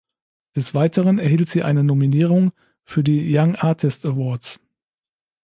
Des Weiteren erhielt sie eine Nominierung für die Young Artist Awards.